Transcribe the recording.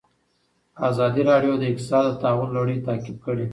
ازادي راډیو د اقتصاد د تحول لړۍ تعقیب کړې.